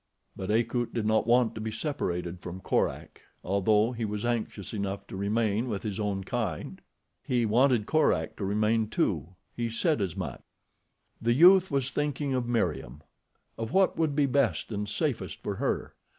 But Akut did not want to be separated from Korak, although he was anxious enough to remain with his own kind. He wanted Korak to remain, too. He said as much. The youth was thinking of Meriem—of what would be best and safest for her.